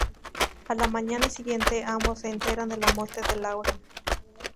A la mañana siguiente ambos se enteran de la muerte de Lauren.